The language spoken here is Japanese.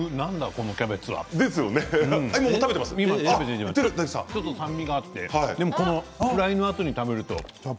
このキャベツはちょっと酸味があってフライのあとに食べると。